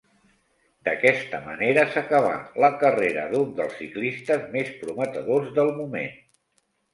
D'aquesta manera s'acabà la carrera d'un dels ciclistes més prometedors del moment.